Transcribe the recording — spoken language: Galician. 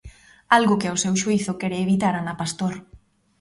Algo que, ao seu xuízo, quere evitar Ana Pastor.